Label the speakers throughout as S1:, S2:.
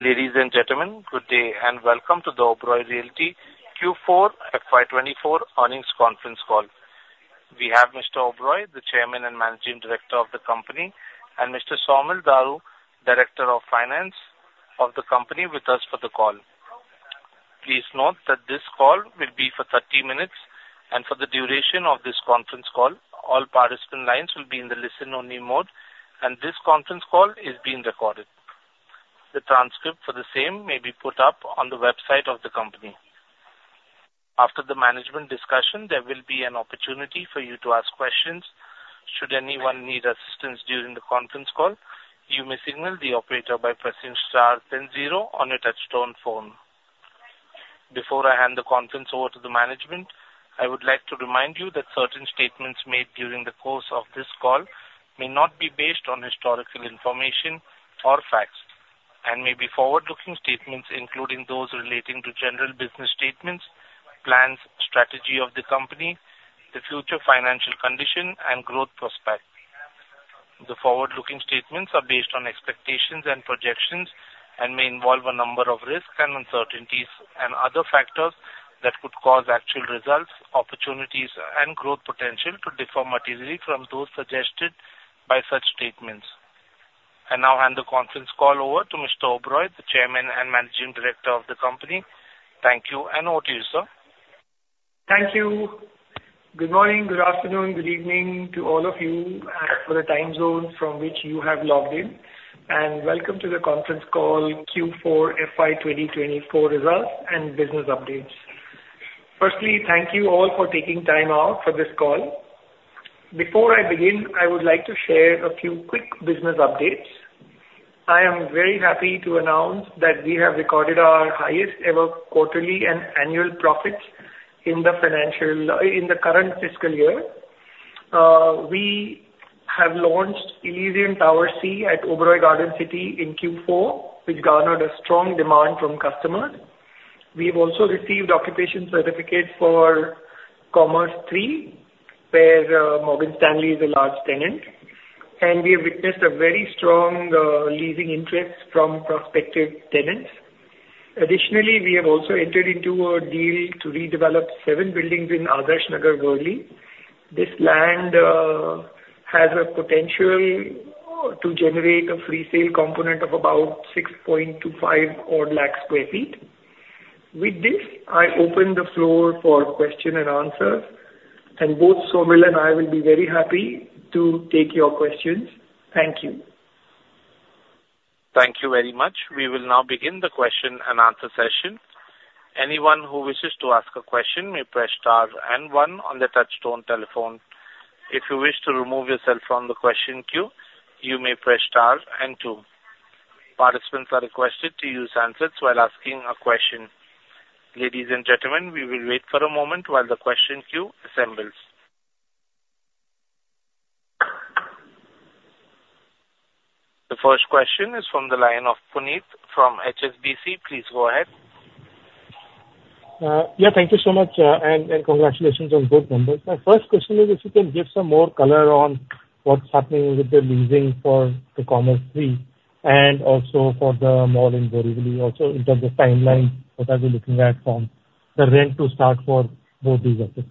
S1: Ladies and gentlemen, good day and welcome to the Oberoi Realty Q4 FY24 earnings conference call. We have Mr. Oberoi, the Chairman and Managing Director of the company, and Mr. Saumil Daru, Director of Finance of the company, with us for the call. Please note that this call will be for 30 minutes, and for the duration of this conference call, all participant lines will be in the listen-only mode, and this conference call is being recorded. The transcript for the same may be put up on the website of the company. After the management discussion, there will be an opportunity for you to ask questions. Should anyone need assistance during the conference call, you may signal the operator by pressing *100 on your touch-tone phone. Before I hand the conference over to the management, I would like to remind you that certain statements made during the course of this call may not be based on historical information or facts, and may be forward-looking statements including those relating to general business statements, plans, strategy of the company, the future financial condition, and growth prospects. The forward-looking statements are based on expectations and projections and may involve a number of risks and uncertainties and other factors that could cause actual results, opportunities, and growth potential to differ materially from those suggested by such statements. I now hand the conference call over to Mr. Oberoi, the Chairman and Managing Director of the company. Thank you, and over to you, sir.
S2: Thank you. Good morning, good afternoon, good evening to all of you for the time zone from which you have logged in, and welcome to the conference call Q4 FY2024 results and business updates. Firstly, thank you all for taking time out for this call. Before I begin, I would like to share a few quick business updates. I am very happy to announce that we have recorded our highest-ever quarterly and annual profits in the current fiscal year. We have launched Elysian Tower C at Oberoi Garden City in Q4, which garnered a strong demand from customers. We have also received occupation certificates for Commerz III, where Morgan Stanley is a large tenant, and we have witnessed a very strong leasing interest from prospective tenants. Additionally, we have also entered into a deal to redevelop seven buildings in Adarsh Nagar, Worli. This land has a potential to generate a free-sale component of about 6.25 odd lakh sq ft. With this, I open the floor for question and answers, and both Saumil and I will be very happy to take your questions. Thank you.
S1: Thank you very much. We will now begin the question and answer session. Anyone who wishes to ask a question may press *1 on the touch-tone telephone. If you wish to remove yourself from the question queue, you may press *2. Participants are requested to use handsets while asking a question. Ladies and gentlemen, we will wait for a moment while the question queue assembles. The first question is from the line of Puneet from HSBC. Please go ahead.
S3: Yeah, thank you so much, and congratulations on both numbers. My first question is if you can give some more color on what's happening with the leasing for the Commerz III and also for the mall in Borivali, also in terms of timeline, what are we looking at from the rent to start for both these assets?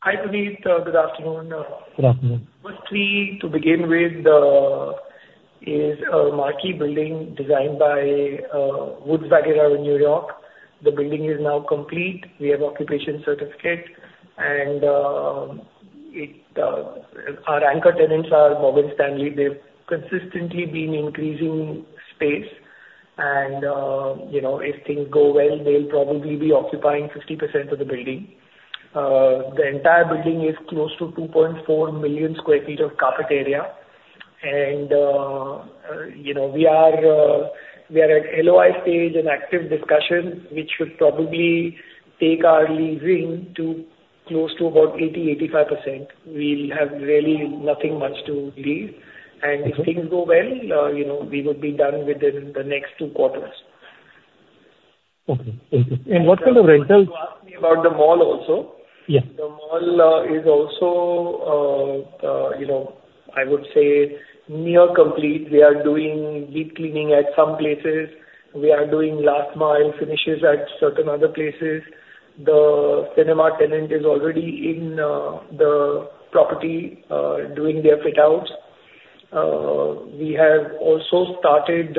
S2: Hi, Puneet. Good afternoon.
S3: Good afternoon.
S2: Firstly, to begin with, is a marquee building designed by Woods Bagot in New York. The building is now complete. We have Occupation Certificate, and our anchor tenants are Morgan Stanley. They've consistently been increasing space, and if things go well, they'll probably be occupying 50% of the building. The entire building is close to 2.4 million sq ft of carpet area, and we are at LOI stage and active discussion, which should probably take our leasing to close to about 80%-85%. We have really nothing much to lease, and if things go well, we would be done within the next two quarters.
S3: Okay. Thank you. And what kind of rental?
S2: You asked me about the mall also. The mall is also, I would say, near complete. We are doing deep cleaning at some places. We are doing last-mile finishes at certain other places. The cinema tenant is already in the property doing their fit-outs. We have also started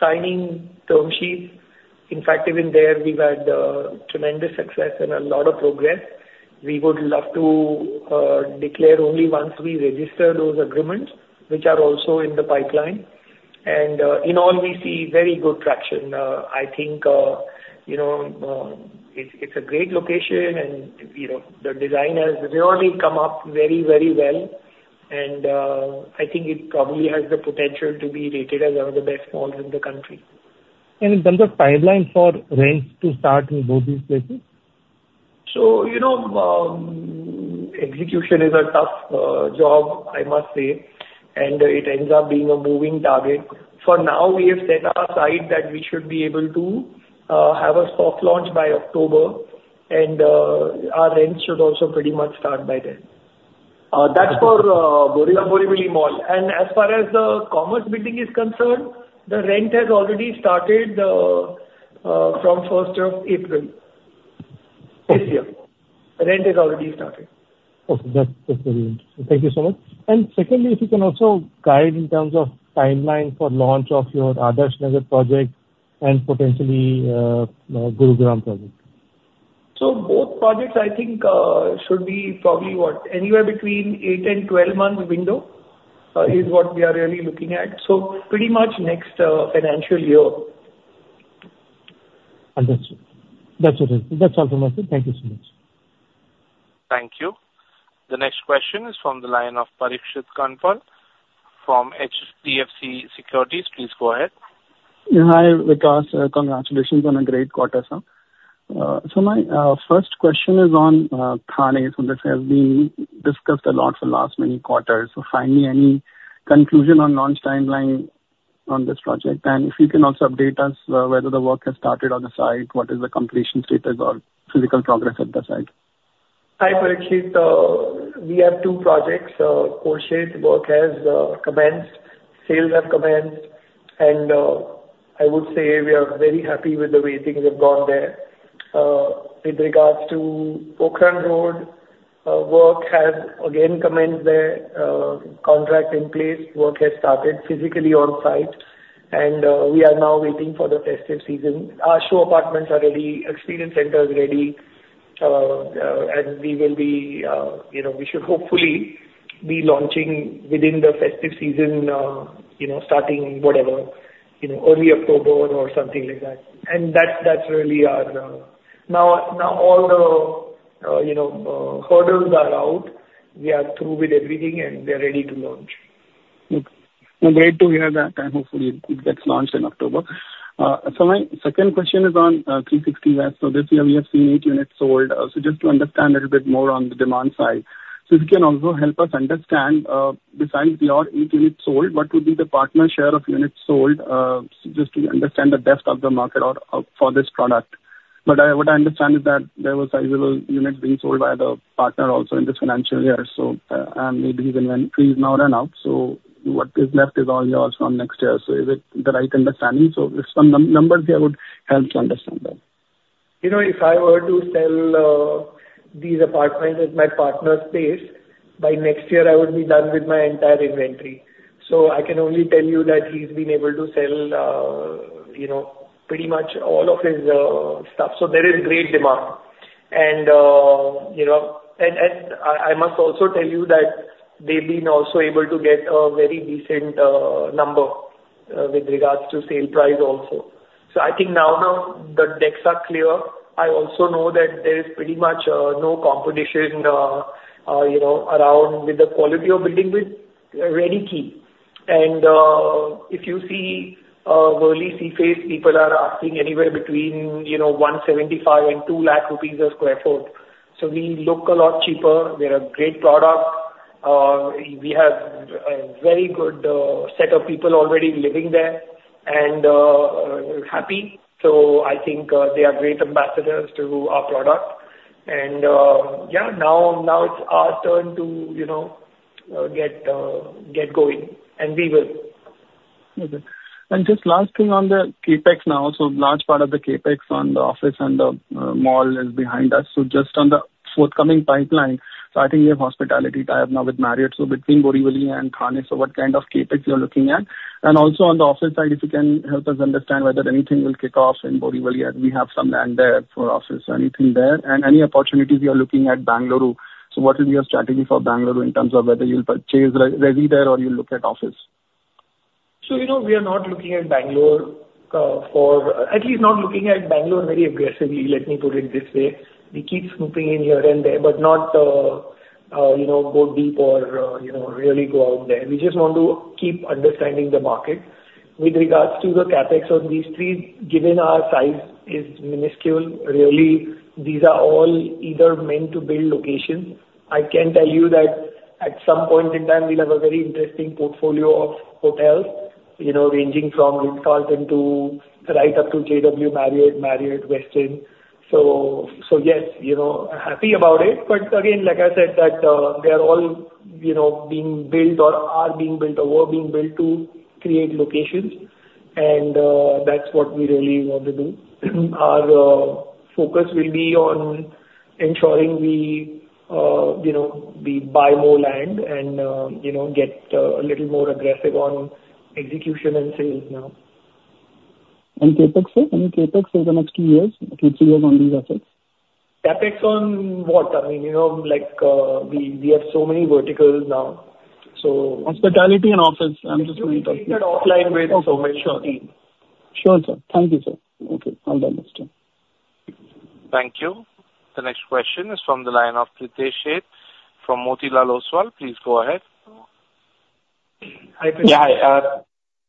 S2: signing term sheets. In fact, even there, we've had tremendous success and a lot of progress. We would love to declare only once we register those agreements, which are also in the pipeline. And in all, we see very good traction. I think it's a great location, and the design has really come up very, very well, and I think it probably has the potential to be rated as one of the best malls in the country.
S3: In terms of timeline for rents to start in both these places?
S2: So execution is a tough job, I must say, and it ends up being a moving target. For now, we have set aside that we should be able to have a soft launch by October, and our rents should also pretty much start by then. That's for Sky City Mall. And as far as the Commerz III is concerned, the rent has already started from 1st of April this year. The rent has already started.
S3: Okay. That's very interesting. Thank you so much. And secondly, if you can also guide in terms of timeline for launch of your Adarsh Nagar project and potentially Gurugram project?
S2: Both projects, I think, should be probably anywhere between 8 and 12-month window is what we are really looking at. So pretty much next financial year.
S3: Understood. That's all from us. Thank you so much.
S1: Thank you. The next question is from the line of Parikshit Kandpal from HDFC Securities. Please go ahead.
S4: Hi, Vikas. Congratulations on a great quarter, sir. So my first question is on Tardeo, and this has been discussed a lot for the last many quarters. So find me any conclusion on launch timeline on this project, and if you can also update us whether the work has started on the site, what is the completion status, or physical progress at the site.
S2: Hi, Parikshit. We have two projects. Porsche's work has commenced. Sales have commenced, and I would say we are very happy with the way things have gone there. With regards to Pokhran Road, work has, again, commenced there. Contract in place. Work has started physically on site, and we are now waiting for the festive season. Our show apartments are ready. Experience Center is ready, and we will be, we should hopefully be launching within the festive season, starting whatever, early October or something like that. And that's really our now all the hurdles are out. We are through with everything, and we are ready to launch.
S4: Okay. I'm glad to hear that, and hopefully, it gets launched in October. So my second question is on 360 West. So this year, we have seen eight units sold. So just to understand a little bit more on the demand side, so if you can also help us understand, besides your eight units sold, what would be the partner share of units sold just to understand the depth of the market for this product? But what I understand is that there were sizable units being sold by the partner also in this financial year, and maybe his inventory is now run out. So what is left is all yours from next year. So is it the right understanding? So if some numbers here would help to understand that.
S2: If I were to sell these apartments at my partner's place, by next year, I would be done with my entire inventory. So I can only tell you that he's been able to sell pretty much all of his stuff. So there is great demand. And I must also tell you that they've been also able to get a very decent number with regards to sale price also. So I think now that the decks are clear, I also know that there is pretty much no competition around with the quality of building with ready key. And if you see Worli Seaface, people are asking anywhere between 1.75 lakh-2 lakh rupees a sq ft. So we look a lot cheaper. They're a great product. We have a very good set of people already living there and happy. So I think they are great ambassadors to our product. Yeah, now it's our turn to get going, and we will.
S3: Okay. And just last thing on the CapEx now. So large part of the CapEx on the office and the mall is behind us. So just on the forthcoming pipeline, so I think we have hospitality tie-up now with Marriott. So between Borivali and Tardeo, so what kind of CapEx you're looking at? And also on the office side, if you can help us understand whether anything will kick off in Borivali, and we have some land there for office, anything there, and any opportunities you're looking at Bangalore. So what will be your strategy for Bangalore in terms of whether you'll purchase resi there or you'll look at office?
S2: So we are not looking at Bangalore for at least not looking at Bangalore very aggressively. Let me put it this way. We keep snooping in here and there, but not go deep or really go out there. We just want to keep understanding the market. With regards to the Capex on these three, given our size is minuscule, really, these are all either meant to build locations. I can tell you that at some point in time, we'll have a very interesting portfolio of hotels ranging from Ritz-Carlton right up to JW Marriott, Westin. So yes, happy about it. But again, like I said, that they are all being built or are being built or were being built to create locations, and that's what we really want to do. Our focus will be on ensuring we buy more land and get a little more aggressive on execution and sales now.
S3: CapEx, sir? I mean, CapEx over the next 2 years, 2-3 years on these assets?
S2: CapEx on what? I mean, we have so many verticals now, so.
S3: Hospitality and office. I'm just going to talk to you.
S2: We've been offline with so many team.
S3: Sure, sir. Thank you, sir. Okay. I'll double-check.
S1: Thank you. The next question is from the line of Pritesh Sheth from Motilal Oswal. Please go ahead.
S2: Hi, Pritesh.
S5: Yeah, hi.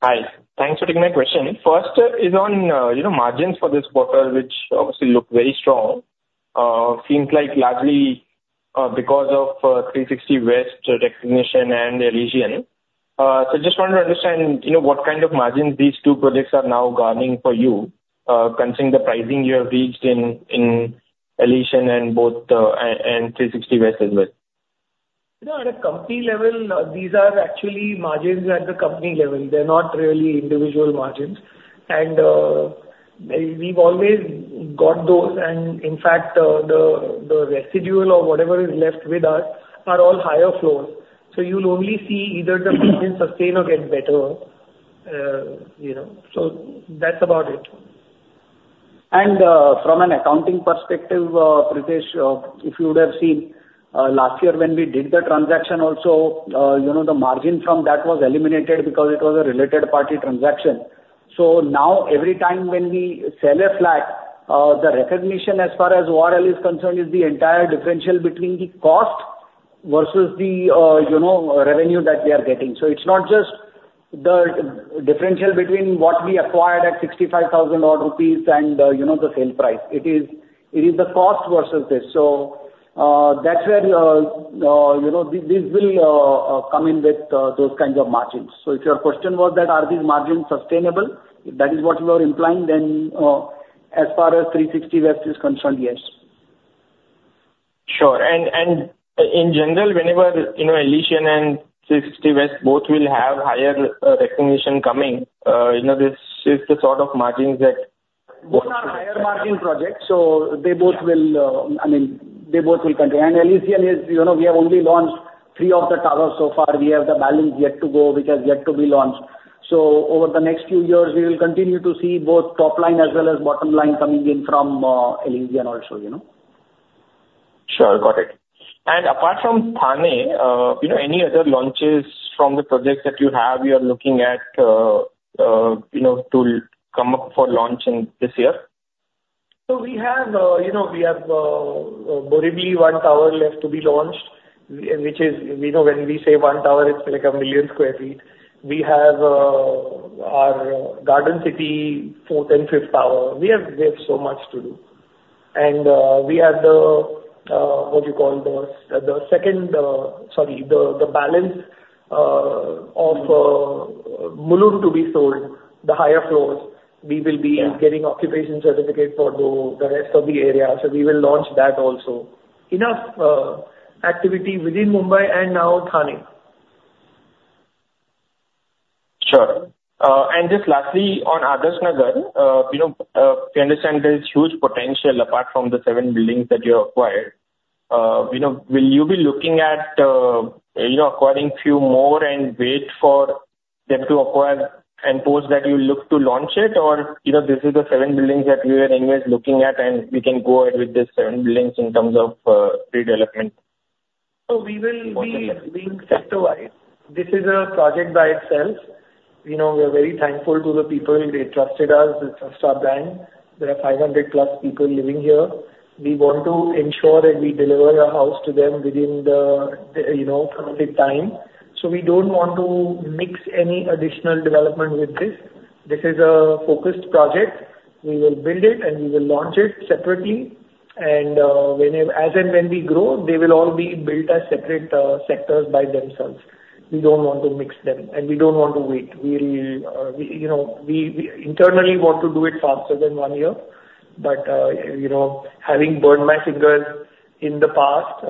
S5: Hi. Thanks for taking my question. First is on margins for this quarter, which obviously look very strong. Seems like largely because of 360 West recognition and Elysian. So I just wanted to understand what kind of margins these two projects are now garnering for you considering the pricing you have reached in Elysian and 360 West as well.
S2: At a company level, these are actually margins at the company level. They're not really individual margins. And we've always got those. And in fact, the residual or whatever is left with us are all higher floors. So you'll only see either the margins sustain or get better. So that's about it. And from an accounting perspective, Pritesh, if you would have seen last year when we did the transaction also, the margin from that was eliminated because it was a related-party transaction. So now, every time when we sell a flat, the recognition as far as ORL is concerned is the entire differential between the cost versus the revenue that we are getting. So it's not just the differential between what we acquired at 65,000 odd rupees and the sale price. It is the cost versus this. So that's where this will come in with those kinds of margins. So if your question was that are these margins sustainable, if that is what you are implying, then as far as 360 West is concerned, yes.
S5: Sure. And in general, whenever Elysian and 360 West both will have higher recognition coming, this is the sort of margins that both will.
S2: It's not higher-margin projects. So they both will I mean, they both will continue. And Elysian is we have only launched three of the towers so far. We have the balance yet to go, which has yet to be launched. So over the next few years, we will continue to see both top line as well as bottom line coming in from Elysian also.
S5: Sure. Got it. And apart from Tardeo, any other launches from the projects that you have you are looking at to come up for launching this year?
S2: So we have Borivali one tower left to be launched, which is when we say one tower, it's like 1 million sq ft. We have our Oberoi Garden City fourth and fifth tower. We have so much to do. And we have the what do you call the second sorry, the balance of Mulund to be sold, the higher floors, we will be getting Occupation Certificate for the rest of the area. So we will launch that also. Enough activity within Mumbai and now Tardeo.
S5: Sure. And just lastly, on Adarsh Nagar, we understand there's huge potential apart from the seven buildings that you acquired. Will you be looking at acquiring a few more and wait for them to acquire and post that you look to launch it, or this is the seven buildings that we were anyways looking at, and we can go ahead with these seven buildings in terms of redevelopment?
S2: So we will be being sector-wise. This is a project by itself. We are very thankful to the people. They trusted us, the Trust Star Bank. There are 500+ people living here. We want to ensure that we deliver our house to them within the time. So we don't want to mix any additional development with this. This is a focused project. We will build it, and we will launch it separately. And as and when we grow, they will all be built as separate sectors by themselves. We don't want to mix them, and we don't want to wait. We internally want to do it faster than one year. But having burned my fingers in the past,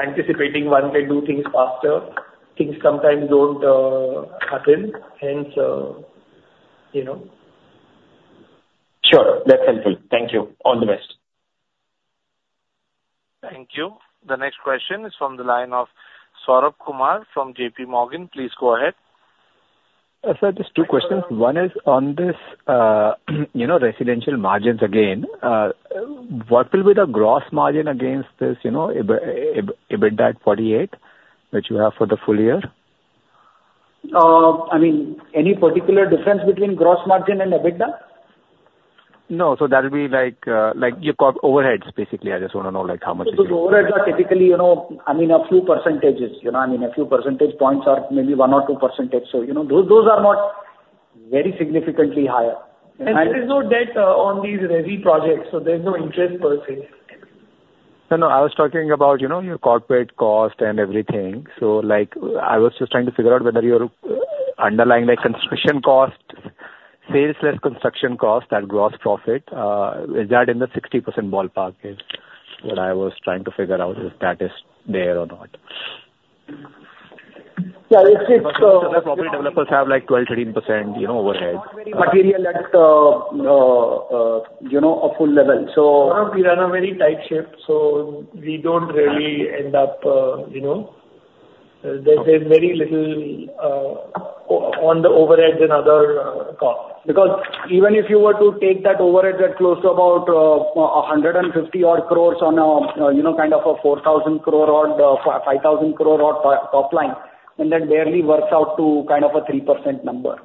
S2: anticipating one can do things faster, things sometimes don't happen, hence.
S5: Sure. That's helpful. Thank you. All the best.
S1: Thank you. The next question is from the line of Saurabh Kumar from JP Morgan. Please go ahead.
S6: Sir, just two questions. One is on this residential margins again. What will be the gross margin against this EBITDA at 48%, which you have for the full year? I mean, any particular difference between gross margin and EBITDA? No. So that'll be like you've got overheads, basically. I just want to know how much is your. So the overheads are typically, I mean, a few percentages. I mean, a few percentage points are maybe 1 or 2 percentage. So those are not very significantly higher.
S2: There is no debt on these resi projects, so there's no interest per se.
S6: No, no. I was talking about your corporate cost and everything. So I was just trying to figure out whether your underlying construction cost, sales-less construction cost, that gross profit, is that in the 60% ballpark? What I was trying to figure out is that is there or not.
S2: Yeah, it's.
S6: Most of the property developers have like 12%-13% overhead.
S2: Material at a full level. So. We run a very tight ship, so we don't really end up. There's very little on the overheads and other costs. Because even if you were to take that overhead, that's close to about 150-odd crore on a kind of a 4,000-odd crore, 5,000-odd crore top line, then that barely works out to kind of a 3% number.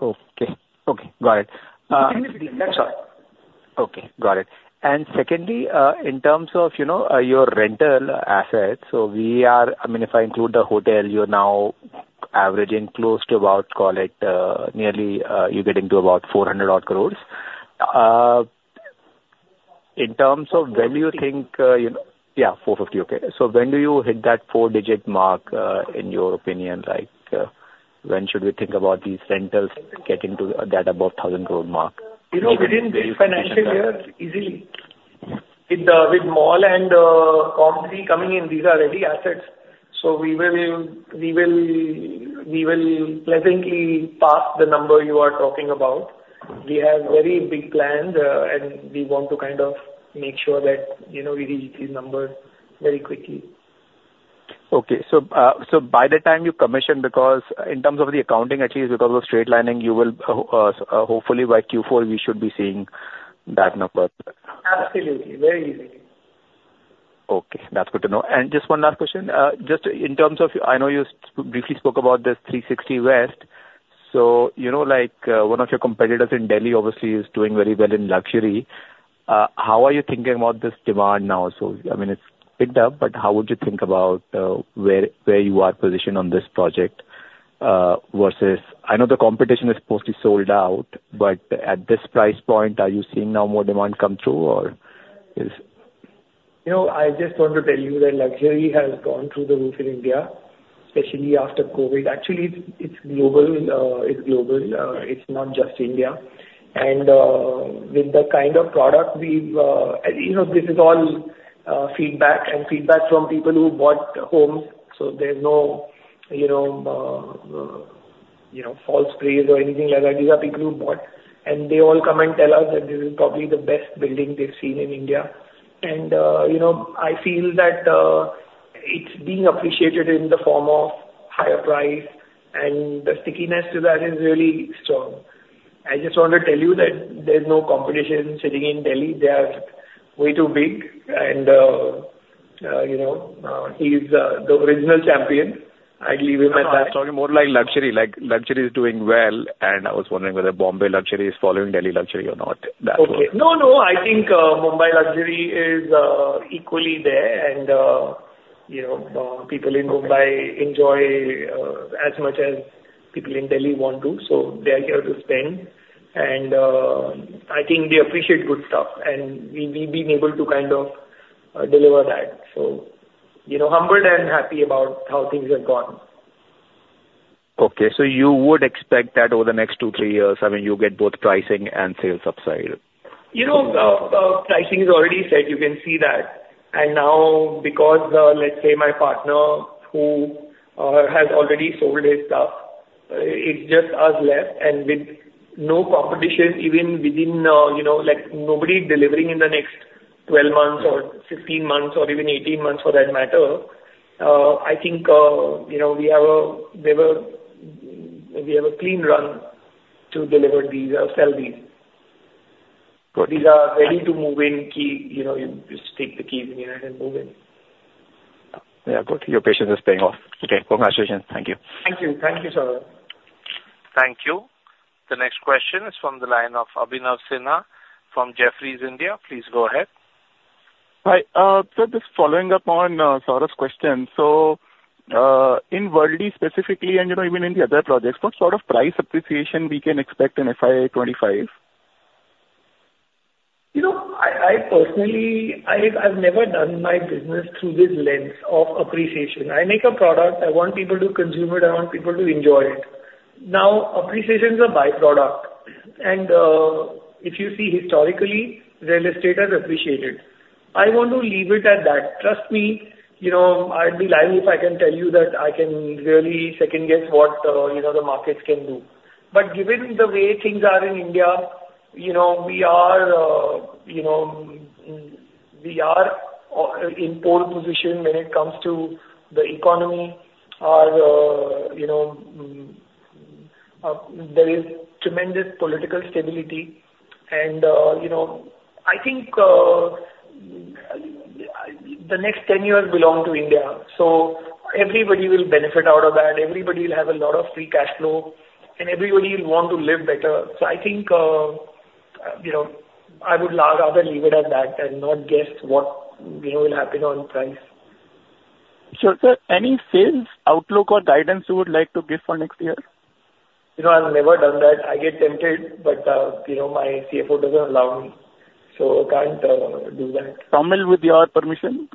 S6: Okay. Okay. Got it.
S2: Significantly. That's all.
S6: Okay. Got it. And secondly, in terms of your rental assets, so we are, I mean, if I include the hotel, you're now averaging close to about, call it, nearly you're getting to about 400-odd crores. In terms of when do you think, yeah, 450. Okay. So when do you hit that four-digit mark, in your opinion? When should we think about these rentals getting to that above 1,000 crore mark?
S2: Within this financial year, easily. With mall and Commerz coming in, these are ready assets. So we will pleasantly pass the number you are talking about. We have very big plans, and we want to kind of make sure that we reach these numbers very quickly.
S6: Okay. So by the time you commission because in terms of the accounting, at least because of straight lining, you will hopefully, by Q4, we should be seeing that number.
S2: Absolutely. Very easily.
S6: Okay. That's good to know. And just one last question. Just in terms of I know you briefly spoke about this 360 West. So one of your competitors in Delhi, obviously, is doing very well in luxury. How are you thinking about this demand now? So I mean, it's picked up, but how would you think about where you are positioned on this project versus I know the competition is mostly sold out, but at this price point, are you seeing now more demand come through, or is?
S2: I just want to tell you that luxury has gone through the roof in India, especially after COVID. Actually, it's global. It's global. It's not just India. And with the kind of product we've, this is all feedback and feedback from people who bought homes. So there's no false praise or anything like that. These are people who bought, and they all come and tell us that this is probably the best building they've seen in India. And I feel that it's being appreciated in the form of higher price, and the stickiness to that is really strong. I just want to tell you that there's no competition sitting in Delhi. They are way too big, and he's the original champion. I'd leave him at that.
S6: No, no. I was talking more like luxury. Luxury is doing well, and I was wondering whether Bombay luxury is following Delhi luxury or not. That was.
S2: Okay. No, no. I think Mumbai luxury is equally there, and people in Mumbai enjoy as much as people in Delhi want to. So they are here to spend, and I think they appreciate good stuff, and we've been able to kind of deliver that. So humbled and happy about how things have gone.
S6: Okay. So you would expect that over the next 2-3 years, I mean, you get both pricing and sales upside?
S2: Pricing is already set. You can see that. Now, because, let's say, my partner who has already sold his stuff, it's just us left. And with no competition, even within nobody delivering in the next 12 months or 15 months or even 18 months for that matter, I think we have a clean run to deliver these or sell these. These are ready to move in key. You just take the keys in your hand and move in.
S6: Yeah. Good. Your patience is paying off. Okay. Congratulations. Thank you.
S2: Thank you. Thank you, Saurabh.
S1: Thank you. The next question is from the line of Abhinav Sinha from Jefferies India. Please go ahead.
S7: Hi, sir. Just following up on Saurabh's question. So in Worli specifically and even in the other projects, what sort of price appreciation we can expect in FY25?
S2: I've never done my business through this lens of appreciation. I make a product. I want people to consume it. I want people to enjoy it. Now, appreciation is a byproduct. And if you see historically, real estate has appreciated. I want to leave it at that. Trust me, I'd be lying if I can tell you that I can really second-guess what the markets can do. But given the way things are in India, we are in pole position when it comes to the economy. There is tremendous political stability. And I think the next 10 years belong to India. So everybody will benefit out of that. Everybody will have a lot of free cash flow, and everybody will want to live better. So I think I would rather leave it at that and not guess what will happen on price.
S7: Sure. Sir, any sales outlook or guidance you would like to give for next year?
S2: I've never done that. I get tempted, but my CFO doesn't allow me. So I can't do that.
S7: Someone with your permission?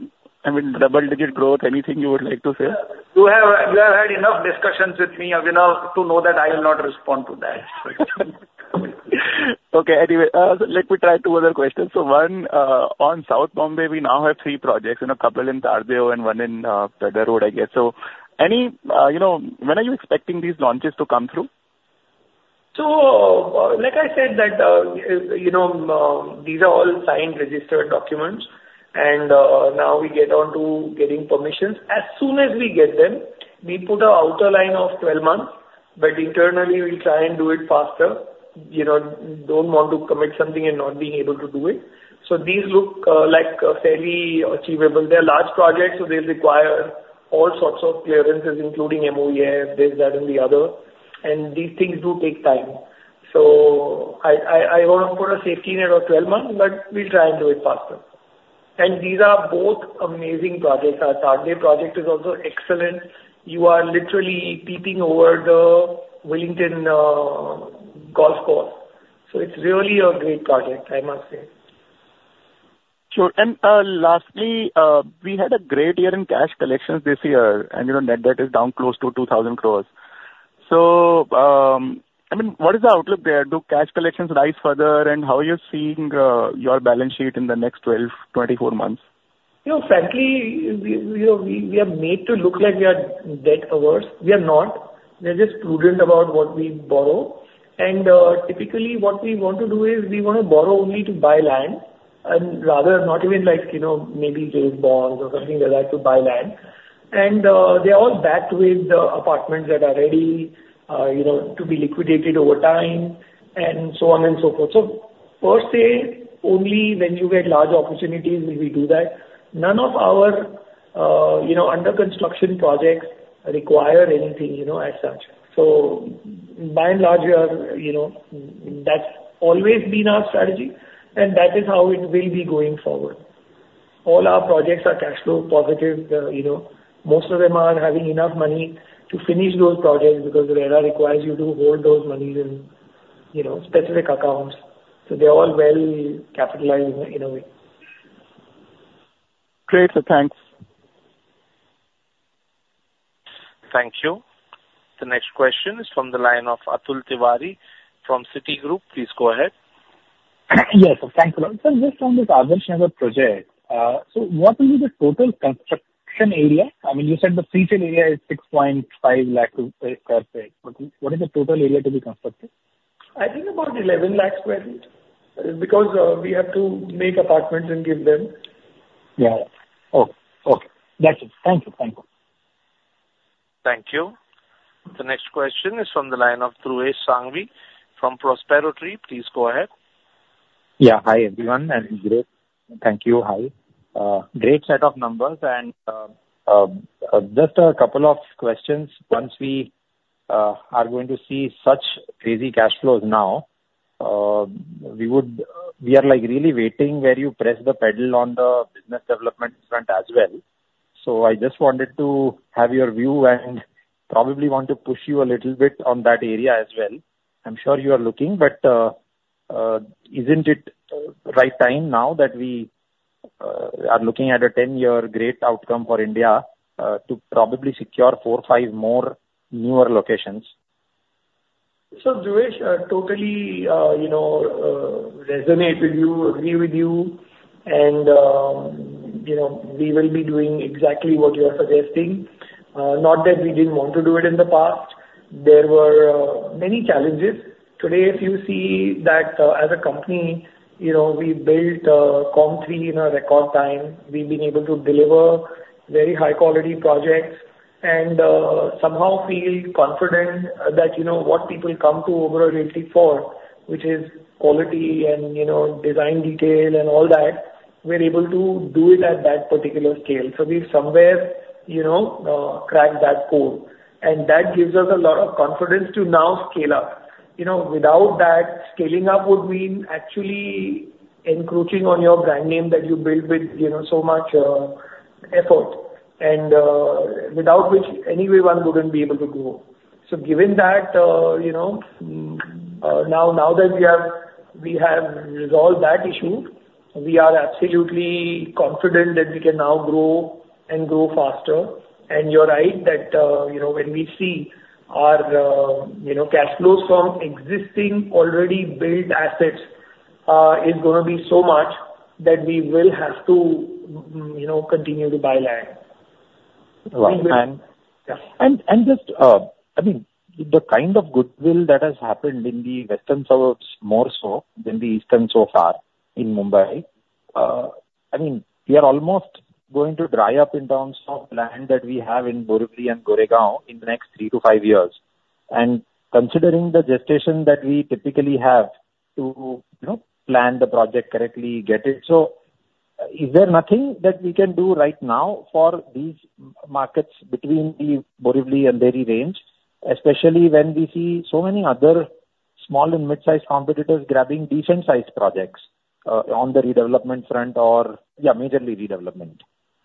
S7: I mean, double-digit growth, anything you would like to say?
S2: You have had enough discussions with me to know that I will not respond to that.
S7: Okay. Anyway, let me try two other questions. So one, on South Bombay, we now have three projects, a couple in Tardeo and one in Pedder Road, I guess. So when are you expecting these launches to come through?
S2: So like I said, these are all signed, registered documents. And now we get on to getting permissions. As soon as we get them, we put a outer line of 12 months, but internally, we'll try and do it faster. Don't want to commit something and not being able to do it. So these look fairly achievable. They are large projects, so they require all sorts of clearances, including MOEF, this, that, and the other. And these things do take time. So I want to put a safety net of 12 months, but we'll try and do it faster. And these are both amazing projects. Our Tardeo project is also excellent. You are literally peeping over the Willingdon Sports Club. So it's really a great project, I must say.
S7: Sure. Lastly, we had a great year in cash collections this year, and net debt is down close to 2,000 crore. I mean, what is the outlook there? Do cash collections rise further, and how are you seeing your balance sheet in the next 12, 24 months?
S2: Frankly, we are made to look like we are debt averse. We are not. We are just prudent about what we borrow. Typically, what we want to do is we want to borrow only to buy land and rather not even maybe junk bonds or something like that to buy land. They're all backed with apartments that are ready to be liquidated over time and so on and so forth. Per se, only when you get large opportunities will we do that. None of our under-construction projects require anything as such. By and large, that's always been our strategy, and that is how it will be going forward. All our projects are cash flow positive. Most of them are having enough money to finish those projects because RERA requires you to hold those monies in specific accounts. They're all well capitalized in a way.
S7: Great. So thanks.
S1: Thank you. The next question is from the line of Atul Tiwari from Citigroup. Please go ahead.
S8: Yes. Thanks a lot. Sir, just on this Adarsh Nagar project, so what will be the total construction area? I mean, you said the pre-sale area is 6.5 lakh per sq ft. What is the total area to be constructed?
S2: I think about 11 lakh sq ft because we have to make apartments and give them.
S8: Yeah. Okay. Okay. That's it. Thank you. Thank you.
S1: Thank you. The next question is from the line of Dhruvesh Sanghvi from Prospero Tree. Please go ahead.
S9: Yeah. Hi, everyone. And thank you. Hi. Great set of numbers. Just a couple of questions. Once we are going to see such crazy cash flows now, we are really waiting where you press the pedal on the business development front as well. So I just wanted to have your view and probably want to push you a little bit on that area as well. I'm sure you are looking, but isn't it right time now that we are looking at a 10-year great outcome for India to probably secure 4, 5 more newer locations?
S2: So Dhruvesh totally resonate with you, agree with you, and we will be doing exactly what you are suggesting. Not that we didn't want to do it in the past. There were many challenges. Today, if you see that as a company, we built Commerz III in a record time. We've been able to deliver very high-quality projects and somehow feel confident that what people come to overall rating for, which is quality and design detail and all that, we're able to do it at that particular scale. So we've somewhere cracked that code, and that gives us a lot of confidence to now scale up. Without that, scaling up would mean actually encroaching on your brand name that you build with so much effort and without which, anyway, one wouldn't be able to grow. Given that, now that we have resolved that issue, we are absolutely confident that we can now grow and grow faster. You're right that when we see our cash flows from existing, already built assets is going to be so much that we will have to continue to buy land.
S9: Right. And just, I mean, the kind of goodwill that has happened in the Western suburbs more so than the eastern so far in Mumbai, I mean, we are almost going to dry up in terms of land that we have in Borivali and Goregaon in the next 3-5 years. And considering the gestation that we typically have to plan the project correctly, get it. So is there nothing that we can do right now for these markets between the Borivali and Dahisar range, especially when we see so many other small and midsize competitors grabbing decent-sized projects on the redevelopment front or, yeah, majorly redevelopment?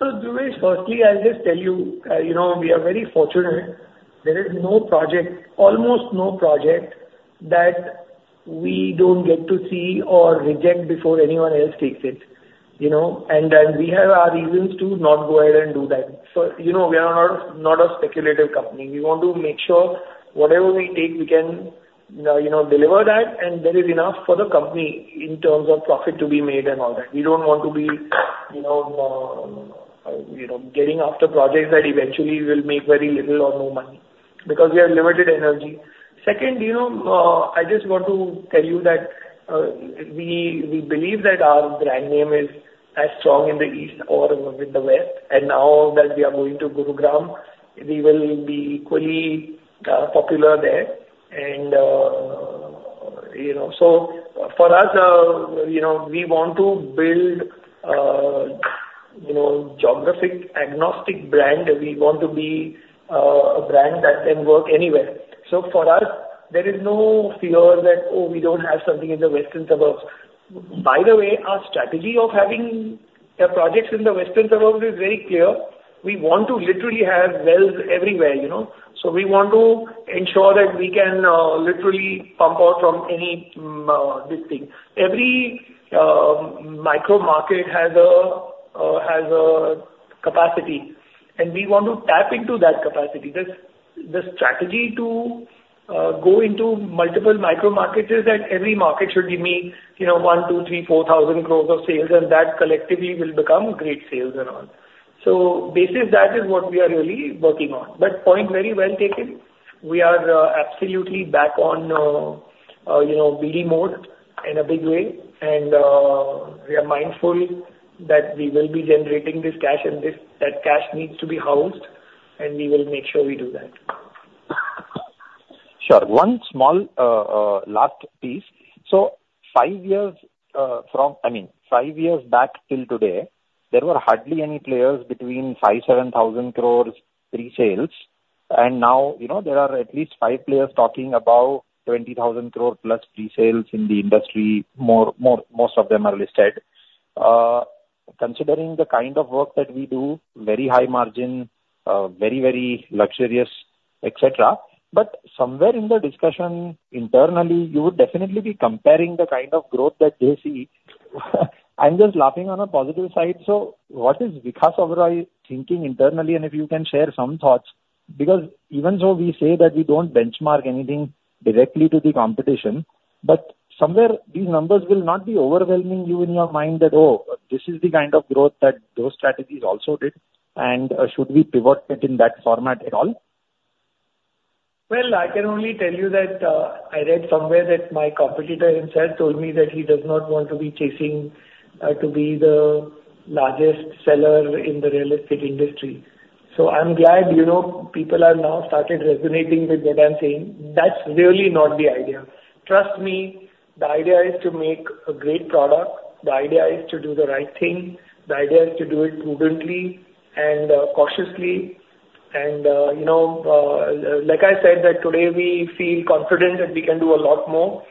S2: So Dhruvesh, firstly, I'll just tell you, we are very fortunate. There is no project, almost no project, that we don't get to see or reject before anyone else takes it. And we have our reasons to not go ahead and do that. So we are not a speculative company. We want to make sure whatever we take, we can deliver that, and there is enough for the company in terms of profit to be made and all that. We don't want to be getting after projects that eventually will make very little or no money because we have limited energy. Second, I just want to tell you that we believe that our brand name is as strong in the east or in the west. And now that we are going to Gurugram, we will be equally popular there. For us, we want to build a geographic agnostic brand. We want to be a brand that can work anywhere. For us, there is no fear that, "Oh, we don't have something in the Western suburbs." By the way, our strategy of having projects in the Western suburbs is very clear. We want to literally have wells everywhere. We want to ensure that we can literally pump out from any district. Every micro market has a capacity, and we want to tap into that capacity. The strategy to go into multiple micro markets is that every market should give me INR 1,000, 2,000, 3,000, 4,000 crores of sales, and that collectively will become great sales and all. Basically, that is what we are really working on. Point very well taken. We are absolutely back on BD mode in a big way, and we are mindful that we will be generating this cash, and that cash needs to be housed, and we will make sure we do that.
S9: Sure. One small last piece. So five years from I mean, five years back till today, there were hardly any players between 5,000-7,000 crore pre-sales. And now, there are at least five players talking about 20,000 crore-plus pre-sales in the industry. Most of them are listed. Considering the kind of work that we do, very high margin, very, very luxurious, etc., but somewhere in the discussion internally, you would definitely be comparing the kind of growth that they see. I'm just laughing on a positive side. So what is Vikas Oberoi thinking internally? If you can share some thoughts because even though we say that we don't benchmark anything directly to the competition, but somewhere, these numbers will not be overwhelming you in your mind that, "Oh, this is the kind of growth that those strategies also did." Should we pivot it in that format at all?
S2: Well, I can only tell you that I read somewhere that my competitor himself told me that he does not want to be chasing to be the largest seller in the real estate industry. So I'm glad people have now started resonating with what I'm saying. That's really not the idea. Trust me, the idea is to make a great product. The idea is to do the right thing. The idea is to do it prudently and cautiously. And like I said, that today, we feel confident that we can do a lot more,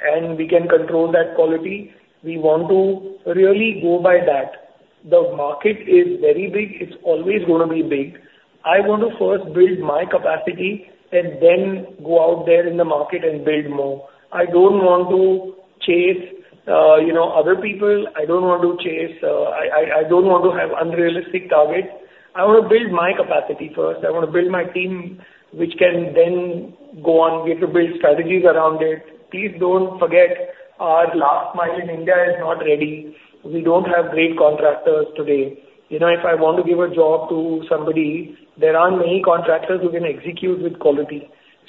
S2: and we can control that quality. We want to really go by that. The market is very big. It's always going to be big. I want to first build my capacity and then go out there in the market and build more. I don't want to chase other people. I don't want to chase. I don't want to have unrealistic targets. I want to build my capacity first. I want to build my team, which can then go on, get to build strategies around it. Please don't forget, our last mile in India is not ready. We don't have great contractors today. If I want to give a job to somebody, there are many contractors who can execute with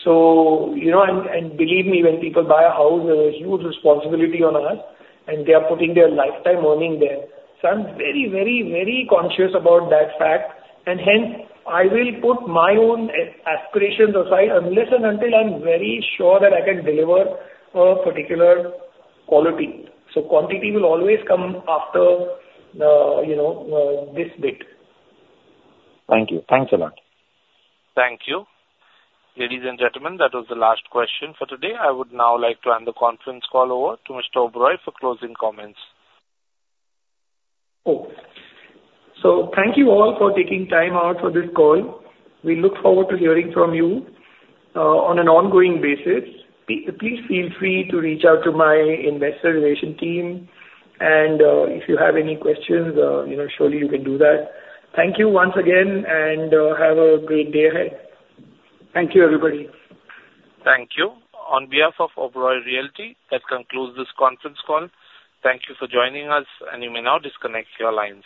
S2: quality. And believe me, when people buy a house, there's a huge responsibility on us, and they are putting their lifetime earning there. So I'm very, very, very conscious about that fact. And hence, I will put my own aspirations aside and listen until I'm very sure that I can deliver a particular quality. So quantity will always come after this bit.
S9: Thank you. Thanks a lot.
S1: Thank you. Ladies and gentlemen, that was the last question for today. I would now like to hand the conference call over to Mr. Oberoi for closing comments.
S2: Oh. So thank you all for taking time out for this call. We look forward to hearing from you on an ongoing basis. Please feel free to reach out to my investor relation team. If you have any questions, surely you can do that. Thank you once again, and have a great day ahead. Thank you, everybody.
S1: Thank you. On behalf of Oberoi Realty, that concludes this conference call. Thank you for joining us, and you may now disconnect your lines.